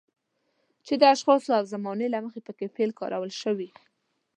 چې د اشخاصو او زمانې له مخې پکې فعل کارول شوی وي.